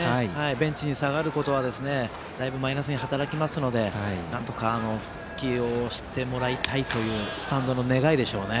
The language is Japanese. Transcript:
ベンチに下がることはだいぶマイナスに働きますのでなんとか起用してもらいたいというスタンドの願いでしょうね。